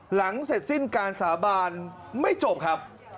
หลังเสร็จสิ้นการสาบานไม่จบครับ